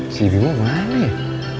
si ibu mah nih